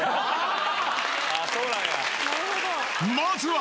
まずは！